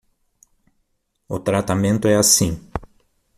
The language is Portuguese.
O tratamento é assim